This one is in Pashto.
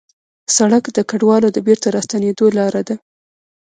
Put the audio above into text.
سړک د کډوالو د بېرته راستنېدو لاره ده.